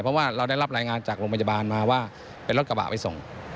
เพราะว่าเราได้รับรายงานจากโรงพยาบาลมาว่าเป็นรถกระบะไปส่ง